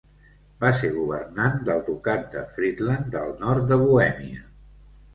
Va ser governant del Ducat de Friedland del nord de Bohèmia.